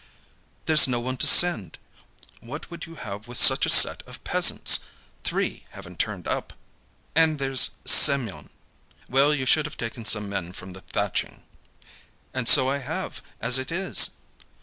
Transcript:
"There's no one to send. What would you have with such a set of peasants? Three haven't turned up. And there's Semyon...." "Well, you should have taken some men from the thatching." "And so I have, as it is."